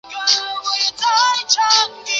对不起啊记不起来了